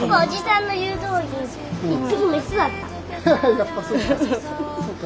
やっぱりそうか。